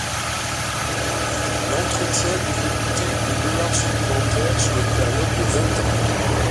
L'entretien devrait coûter de dollars supplémentaires sur une période de vingt ans.